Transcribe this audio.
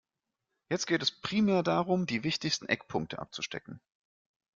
Jetzt geht es primär darum, die wichtigsten Eckpunkte abzustecken.